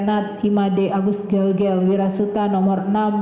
dan berdoa sikhwa yang lewat sekitar keras di pelajaran dari pro removal safely kembali